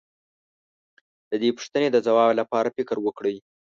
د دې پوښتنې د ځواب لپاره فکر وکړئ.